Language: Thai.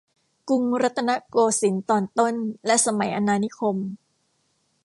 กรุงรัตนโกสินทร์ตอนต้นและสมัยอาณานิคม